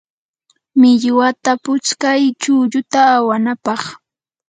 millwata putskay chulluta awanapaq.